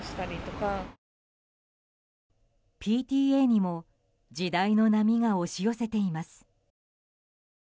ＰＴＡにも時代の波が押し寄せています。